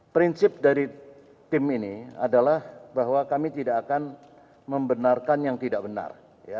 prinsip dari tim ini adalah bahwa kami tidak akan membenarkan yang tidak benar